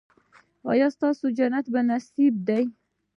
ایا ستاسو جنت په نصیب دی؟